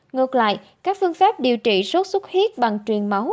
ngược lại các phương pháp điều trị sốt xuất huyết bằng truyền máu